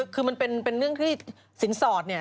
คือมันเป็นเรื่องที่สินสอดเนี่ย